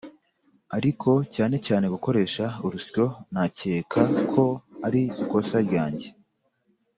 ariko cyane cyane gukoresha urusyonakeka ko arikosa ryanjye